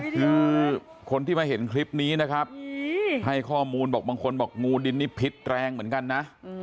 คือคนที่มาเห็นคลิปนี้นะครับให้ข้อมูลบอกบางคนบอกงูดินนี้พิษแรงเหมือนกันนะ